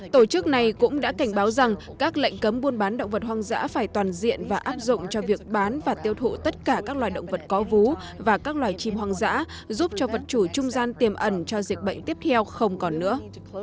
tổ chức này cũng đã cảnh báo rằng các lệnh cấm buôn bán động vật hoang dã phải toàn diện và áp dụng cho việc bán và tiêu thụ tất cả các loài động vật có vú và các loài chim hoang dã giúp cho vật chủ trung gian tiềm ẩn cho dịch bệnh tiếp theo không còn nữa